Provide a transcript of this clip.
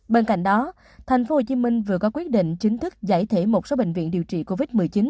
bên cạnh đó tp hcm vừa có quyết định chính thức giải thể một số bệnh viện điều trị covid một mươi chín